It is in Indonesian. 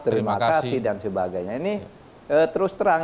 terima kasih dan sebagainya ini terus terang